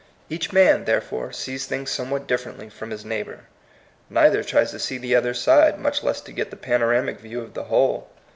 Each man, therefore, sees things somewhat differently from his neighbor. Neither tries to see the other*s side, much less to get the panoramic view of the whole.